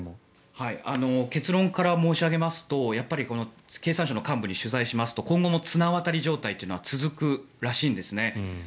結論から申し上げますと経産省の幹部に取材しますと今後も綱渡り状態は続くらしいんですね。